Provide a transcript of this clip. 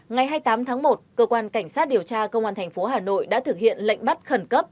ngày hai mươi tám tháng một cơ quan cảnh sát điều tra công an thành phố hà nội đã thực hiện lệnh bắt khẩn cấp